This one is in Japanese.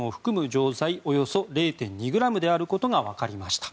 錠剤およそ０．２ｇであることが分かりました。